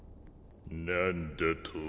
何だと。